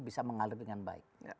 bisa mengalir dengan baik